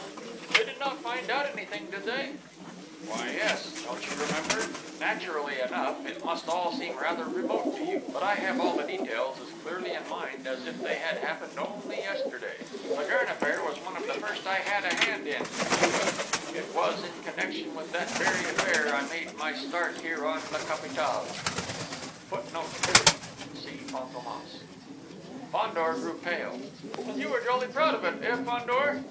"They did not find out anything, did they?" "Why, yes!... Don't you remember?... Naturally enough, it must all seem rather remote to you, but I have all the details as clearly in mind as if they had happened only yesterday.... The Gurn affair was one of the first I had a hand in, with Juve ... it was in connection with that very affair I made my start here on La Capitale." [Footnote 2: See Fantômas.] Fandor grew pale: "And you were jolly proud of it, eh, Fandor?...